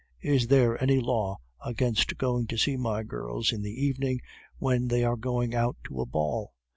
Is there any law against going to see my girls in the evening when they are going out to a ball?